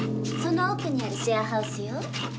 その奥にあるシェアハウスよ。